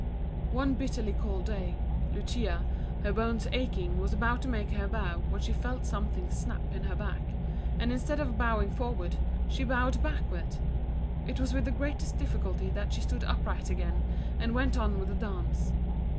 One bitterly cold day, Lucia, her bones aching, was about to make her bow, when she felt some thing snap in her back, and instead of bowing for ward, she bowed backward ! It was with the greatest difficulty that she stood upright again, and went on with the dance.